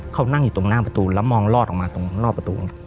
เขานั่งอยู่ตรงหน้าประตูแล้วมองลอดออกมาตรงรอบประตู